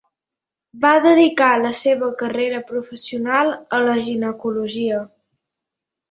Va dedicar la seva carrera professional a la ginecologia.